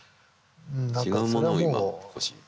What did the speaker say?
違うものを今欲しい。